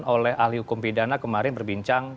oleh ahli hukum pidana kemarin berbincang